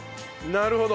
なるほど。